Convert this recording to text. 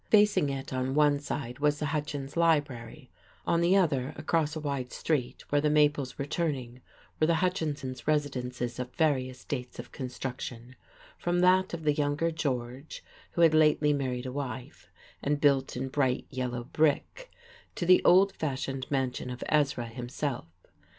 Facing it, on one side, was the Hutchins Library; on the other, across a wide street, where the maples were turning, were the Hutchinses' residences of various dates of construction, from that of the younger George, who had lately married a wife, and built in bright yellow brick, to the old fashioned mansion of Ezra himself.